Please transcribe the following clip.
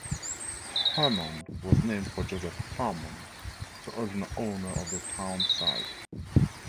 Hammond was named for Joseph Hammond, the original owner of the town site.